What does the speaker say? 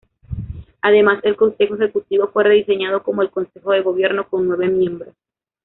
Además, el consejo ejecutivo fue rediseñado como el consejo de gobierno, con nueve miembros.